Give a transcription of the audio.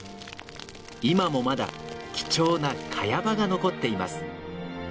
今もまだ貴重なカヤ場が残っています。